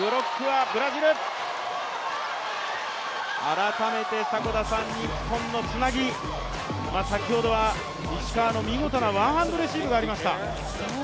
改めて日本のつなぎ、先ほどは石川の見事なワンハンドレシーブがありました。